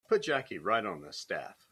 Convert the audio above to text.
Put Jackie right on the staff.